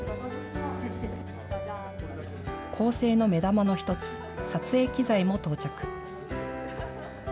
構成の目玉の１つ撮影機材も到着。